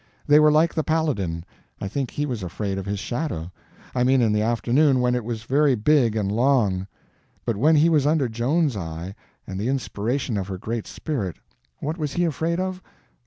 They were like the Paladin; I think he was afraid of his shadow—I mean in the afternoon, when it was very big and long; but when he was under Joan's eye and the inspiration of her great spirit, what was he afraid of?